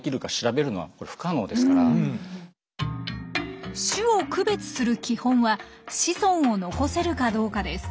ただ種を区別する基本は子孫を残せるかどうかです。